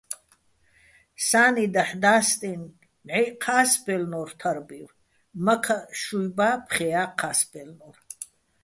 სა́ნი დაჰ̦ და́სტიჼ, ნჵაჲჸი̆ ჴა́სბაჲლნო́ერ თარბივ, მაქაჸ შუ́ჲბა́ჲ, ფხეა́ ჴა́სბაჲლნო́რ.